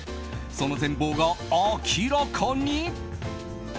その全貌が明らかに。